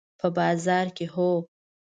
په بازار کې، هو